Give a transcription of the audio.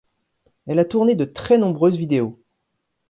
Elle a tourné de très nombreuses vidéos.